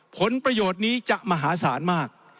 ผลประโยชน์นี้จะมหาศาลมาก